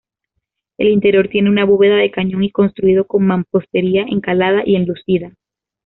El interior tiene una bóveda de cañón y construido con mampostería encalada y enlucida.